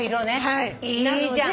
いいじゃん。